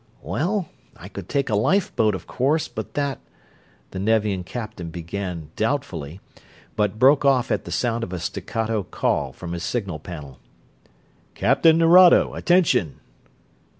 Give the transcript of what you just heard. "Well, I could take a lifeboat, of course, but that...." The Nevian Captain began, doubtfully, but broke off at the sound of a staccato call from his signal panel. "Captain Nerado, attention!"